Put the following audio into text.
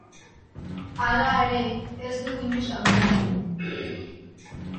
Hala ere, ez du inoiz aurrera egin.